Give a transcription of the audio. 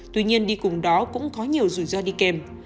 tuy nhiên đi cùng đó cũng có nhiều rủi ro đi kèm